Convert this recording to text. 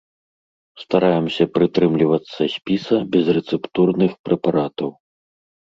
Стараемся прытрымлівацца спіса безрэцэптурных прэпаратаў.